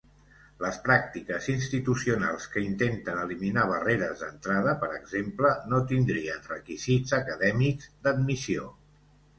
Les pràctiques institucionals que intenten eliminar barreres d'entrada, per exemple, no tindrien requisits acadèmics d'admissió.